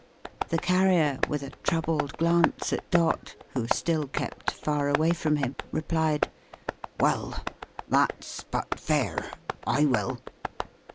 The Carrier, with a troubled glance at Dot, who still kept far away from him, replied, "Well! that's but fair. I will."